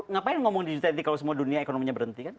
ngapain ngomong g dua puluh kalau semua dunia ekonominya berhenti kan